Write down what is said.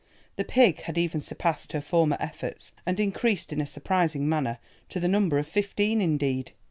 The pig had even surpassed her former efforts, and increased in a surprising manner, to the number of fifteen indeed.